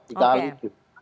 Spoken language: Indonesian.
tiga hal itu